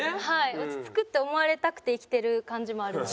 落ち着くって思われたくて生きてる感じもあるので。